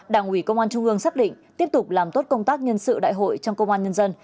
đảng ủy công an trung ương xác định tiếp tục làm tốt công tác nhân sự đại hội trong công an nhân dân